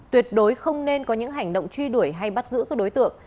tuyệt đối không nên có những hành động truy đuổi hay bắt giữ các đối tượng